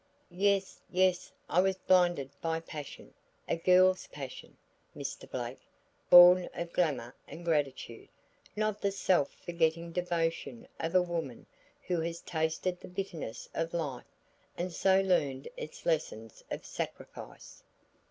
"Yes, yes; I was blinded by passion, a girl's passion, Mr. Blake, born of glamour and gratitude; not the self forgetting devotion of a woman who has tasted the bitterness of life and so learned its lesson of sacrifice.